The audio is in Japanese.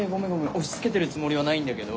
押しつけてるつもりはないんだけど。